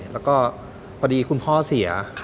แล้วก็พอดีคุณพ่อเสีย